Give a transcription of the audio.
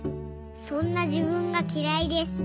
そんなじぶんがきらいです。